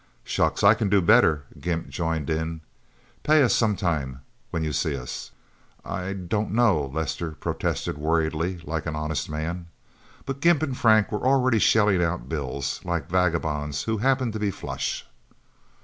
"Shucks, I can do better," Gimp joined in. "Pay us sometime, when you see us." "I I don't know..." Lester protested worriedly, like an honest man. But Gimp and Frank were already shelling out bills, like vagabonds who happened to be flush.